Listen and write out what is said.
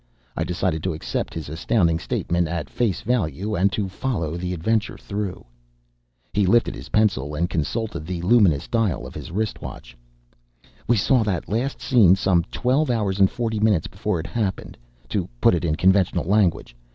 I decided to accept his astounding statement at face value and to follow the adventure through. He lifted his pencil and consulted the luminous dial of his wrist watch. "We saw that last scene some twelve hours and forty minutes before it happened to put it in conventional language.